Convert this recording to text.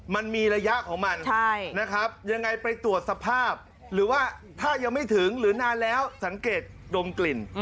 มันมีระยะของมันนะครับยังไงไปตรวจสภาพหรือว่าถ้ายังไม่ถึงหรือนานแล้วสังเกตดมกลิ่น